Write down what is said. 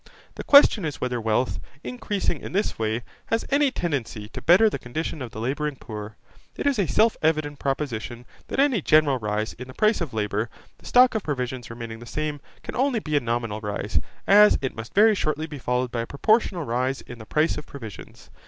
The question is whether wealth, increasing in this way, has any tendency to better the condition of the labouring poor. It is a self evident proposition that any general rise in the price of labour, the stock of provisions remaining the same, can only be a nominal rise, as it must very shortly be followed by a proportional rise in the price of provisions.